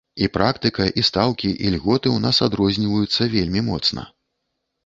І практыка, і стаўкі, і льготы ў нас адрозніваюцца вельмі моцна.